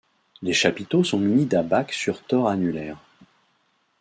Les chapiteaux sont munis d'abaques sur tores annulaires.